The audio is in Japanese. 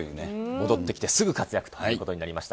戻ってきてすぐ活躍ということになりました。